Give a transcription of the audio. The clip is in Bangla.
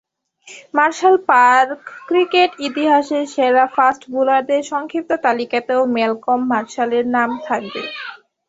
মার্শাল পার্কক্রিকেট ইতিহাসের সেরা ফাস্ট বোলারদের সংক্ষিপ্ত তালিকাতেও ম্যালকম মার্শালের নাম থাকবে।